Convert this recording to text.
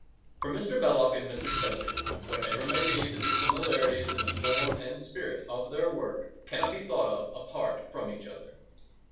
For Mr. Belloc and Mr. Chesterton, whatever may be the dissimilarities in the form and spirit of their work, cannot be thought of apart from each other.